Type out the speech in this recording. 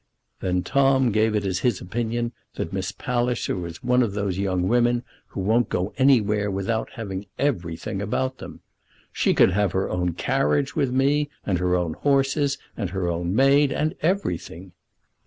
Then Tom gave it as his opinion that Miss Palliser was one of those young women who won't go anywhere without having everything about them. "She could have her own carriage with me, and her own horses, and her own maid, and everything."